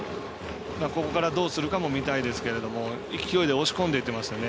ここからどうするかも見たいですけど勢いで押し込んでいってますよね。